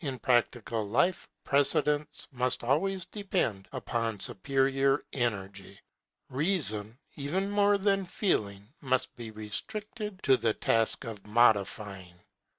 In practical life precedence must always depend upon superior energy. Reason, even more than Feeling, must be restricted to the task of modifying.